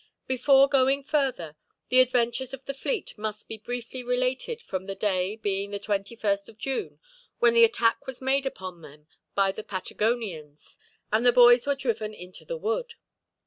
Before going further, the adventures of the fleet must be briefly related from the day, being the 21st of June, when the attack was made upon them by the Patagonians, and the boys were driven into the wood.